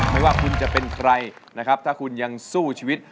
ไม่ว่าคุณจะเป็นใครนะครับถ้าคุณยังสู้ชีวิต